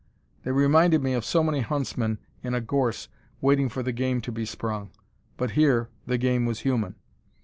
They reminded me of so many huntsmen in a gorse waiting the game to be sprung; but here, the game was human.